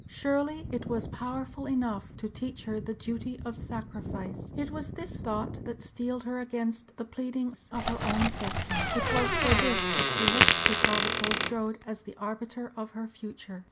Surely it was powerful enough to teach her the duty of sacrifice! It was this thought that steeled her against the pleadings of her own affection. It was for this that she looked to Talbot Bulstrode as the arbiter of her future.